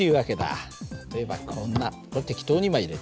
例えばこんなこれ適当に今入れてるよ。